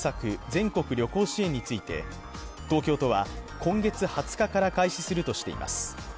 全国旅行支援について、東京都は今月２０日から開始するとしています。